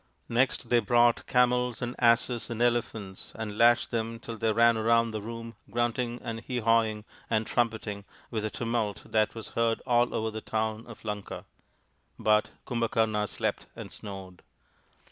Next they brought camels and asses and elephants, and lashed them till they ran round the room grunting and hee hawing and trumpeting with a tumult that was heard all over the town of Lanka. But Kumbhakarna slept and snored.